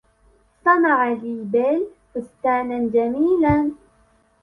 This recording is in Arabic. صنع لي بِل فستانًا جميلًا.